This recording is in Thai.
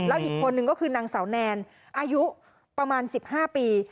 แล้วอีกคนนึงก็คือนางสาวแนนอายุประมาณ๑๕ปี